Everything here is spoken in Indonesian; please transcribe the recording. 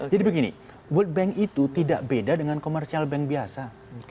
jadi begini world bank itu tidak beda dengan komersial bank biasa